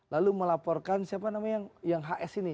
lalu melaporkan siapa namanya yang hs ini